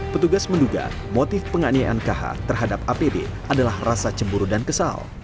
petugas menduga motif pengannyaan k h terhadap apd adalah rasa cemburu dan kesal